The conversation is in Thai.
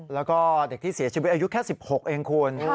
แล้วก็เด็กที่เสียชีวิตอายุแค่๑๖เองคุณ